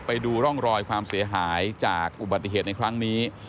ไปดูร่องรอยความเสียหายจากอุบัติเหตุในครั้งนี้